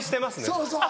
そうそう。